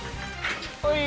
はい。